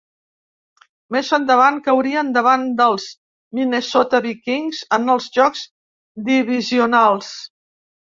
Més endavant, caurien davant dels Minnesota Vikings en els jocs divisionals.